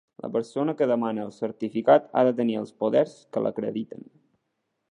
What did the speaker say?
La persona que demana el certificat ha de tenir els poders que l'acrediten.